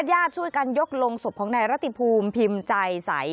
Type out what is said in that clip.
ญาติช่วยกันยกลงศพของนายรติภูมิพิมพ์ใจใส